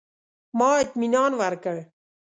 ما اطمنان ورکړ.